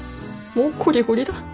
もうこりごりだ。